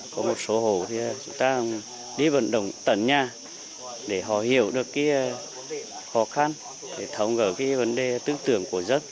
có một số hồ chúng ta đi vận động tẩn nhà để họ hiểu được khó khăn thống gỡ vấn đề tư tưởng của dân